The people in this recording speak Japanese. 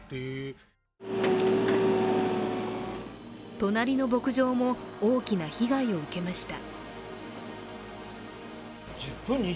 隣の牧場も大きな被害を受けました。